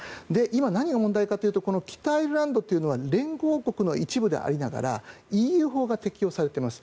今、何が問題かというとこの北アイルランドというのは連合国の一部でありながらＥＵ法が適用されています。